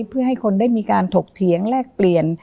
เพื่อให้คนได้มีการถกเถียงแลกเปลี่ยน